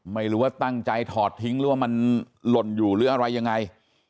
ไม่รู้ว่าตั้งใจถอดทิ้งหรือว่ามันหล่นอยู่หรืออะไรยังไง